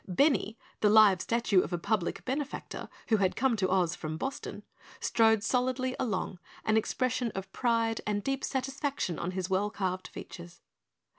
Benny, the live statue of a public Benefactor, who had come to Oz from Boston, strode solidly along, an expression of pride and deep satisfaction on his well carved features.